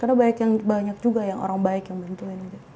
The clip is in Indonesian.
karena banyak yang banyak juga yang orang baik yang bantuin